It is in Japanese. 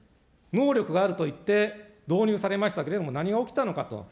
能力があるといって、導入されましたけれども、何が起きたのかと。